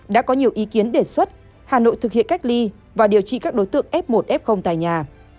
đã có nhiều ý kiến đề xuất hà nội thực hiện cách ly và điều trị các đối tượng f một f tại nhà